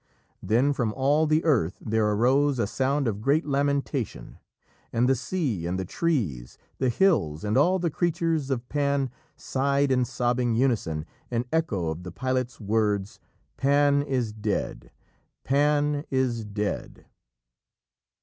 Then, from all the earth there arose a sound of great lamentation, and the sea and the trees, the hills, and all the creatures of Pan sighed in sobbing unison an echo of the pilot's words "_Pan is dead Pan is dead.